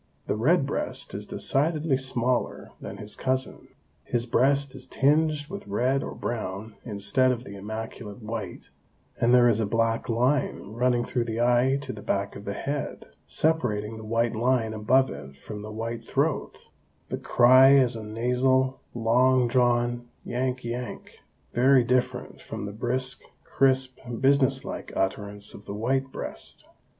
The red breast is decidedly smaller than his cousin, his breast is tinged with red or brown instead of the immaculate white, and there is a black line running through the eye to the back of the head, separating the white line above it from the white throat; the cry is a nasal, long drawn 'yank, yank,' very different from the brisk, crisp, business like utterance of the white breast.